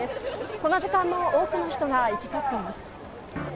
この時間も多くの人が行き交っています。